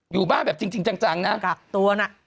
อยู่บ้านแบบจริงจริงจังจังนะ